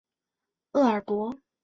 厄尔伯。